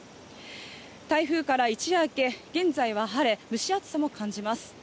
台風から一夜明け、現在は晴れ、蒸し暑さも感じます。